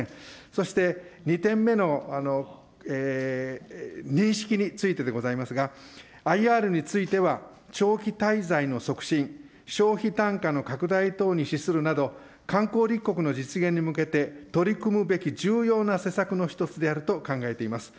そして、２点目の認識についてでございますが、ＩＲについては、長期滞在の促進、消費単価の拡大等に資するなど、観光立国の実現に向けて取り組むべき重要な施策の一つであると考えています。